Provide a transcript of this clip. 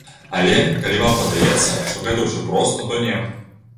Але, калі вам падаецца, што гэта ўсё проста, то не!